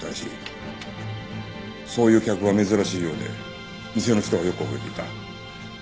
そういう客は珍しいようで店の人がよく覚えていた。